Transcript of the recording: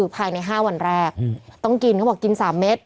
เพื่อไม่ให้เชื้อมันกระจายหรือว่าขยายตัวเพิ่มมากขึ้น